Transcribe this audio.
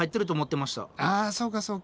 あそうかそうか。